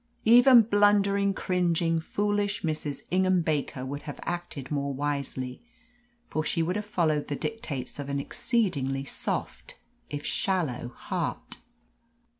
Even blundering, cringing, foolish Mrs. Ingham Baker would have acted more wisely, for she would have followed the dictates of an exceedingly soft, if shallow, heart.